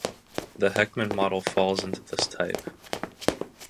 The Heckman model falls into this type.